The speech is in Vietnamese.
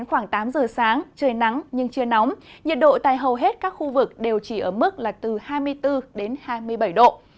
nhiệt độ tại hầu hết các khu vực đều chỉ ở mức là từ hai mươi bốn đến hai mươi bảy độ